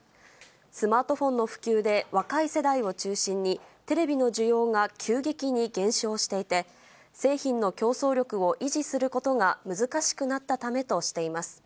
スマートフォンの普及で若い世代を中心に、テレビの需要が急激に減少していて、製品の競争力を維持することが難しくなったためとしています。